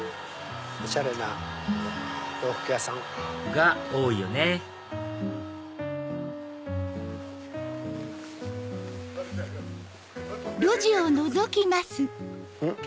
おしゃれな洋服屋さん。が多いよねうん？